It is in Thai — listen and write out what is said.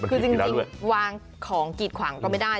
คือจริงวางของกีดขวางก็ไม่ได้